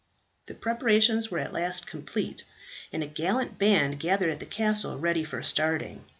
The preparations were at last complete, and a gallant band gathered at the castle ready for starting.